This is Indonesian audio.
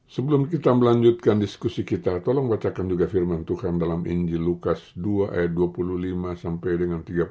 sebelum kita melanjutkan diskusi kita tolong bacakan juga firman tuhan dalam inji lukas dua ayat dua puluh lima sampai dengan tiga puluh